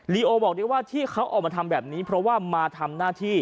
โอบอกได้ว่าที่เขาออกมาทำแบบนี้เพราะว่ามาทำหน้าที่